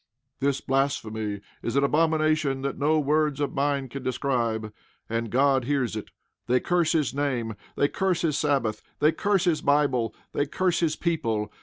This blasphemy is an abomination that no words of mine can describe. And God hears it. They curse His name. They curse his Sabbath. They curse his Bible. They curse his people.